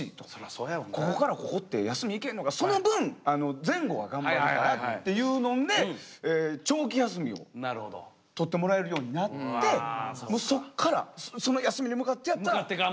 ここからここって休みいけんのかその分前後は頑張るからっていうのんで長期休みを取ってもらえるようになってそっからその休みに向かってやったら頑張るっていう。